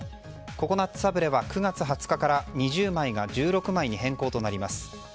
ココナツサブレは９月２０日から２０枚が１６枚に変更となります。